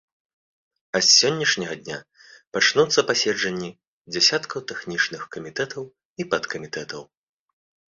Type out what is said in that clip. А з сённяшняга дня пачнуцца паседжанні дзясяткаў тэхнічных камітэтаў і падкамітэтаў.